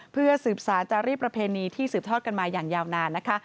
เพื่อสืบสารจารีประเพณีที่สืบทอดกันมาอย่างยาวนานนะคะ